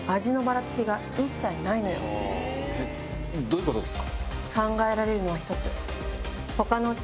どういうことですか？